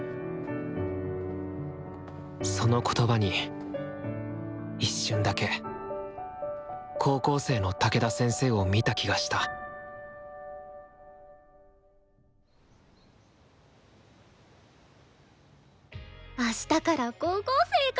その言葉に一瞬だけ高校生の武田先生を見た気がしたあしたから高校生か。